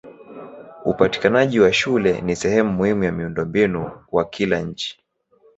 Upatikanaji wa shule ni sehemu muhimu ya miundombinu wa kila nchi.